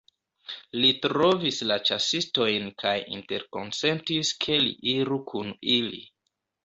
Li trovis la ĉasistojn kaj interkonsentis ke li iru kun ili.